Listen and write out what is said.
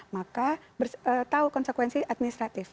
maka tahu konsekuensi administratif